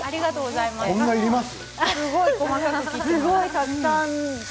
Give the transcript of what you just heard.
こんなにいります？